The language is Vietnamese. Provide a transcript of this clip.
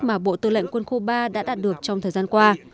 mà bộ tư lệnh quân khu ba đã đạt được trong thời gian qua